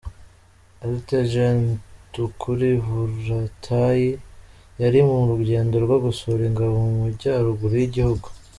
Lt Gen Tukur Buratai, yari mu rugendo rwo gusura ingabo mu Majyaruguru y’igihugu.